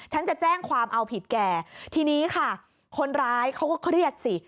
ฉันจะแจ้งความเอาผิดแก่ทีนี้ค่ะคนร้ายเขาก็เครียดสิ